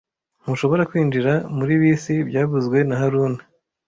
Ntushobora kwinjira muri bisi byavuzwe na haruna